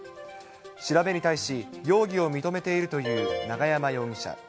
調べに対し、容疑を認めているという永山容疑者。